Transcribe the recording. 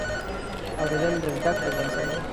اورېدل د زده کړې بنسټ دی.